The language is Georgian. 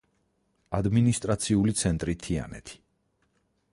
ადმინისტრაციული ცენტრი თიანეთი.